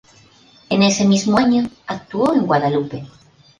En ese mismo año actuó en "Guadalupe".